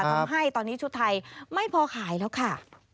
ทำให้ตอนนี้ชุดไทยไม่พอขายแล้วค่ะ